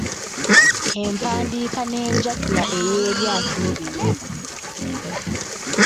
Empandiika n'enjatula ey’ebyatulo bino.